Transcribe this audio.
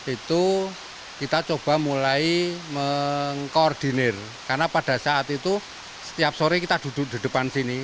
itu kita coba mulai mengkoordinir karena pada saat itu setiap sore kita duduk di depan sini